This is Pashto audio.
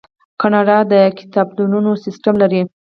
کاناډا د کتابتونونو سیستم لري.